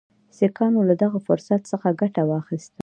سیکهانو له دغه فرصت څخه ګټه واخیستله.